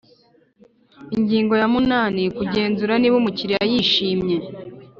Ingingo ya munani Kugenzura niba umukiriya yishimye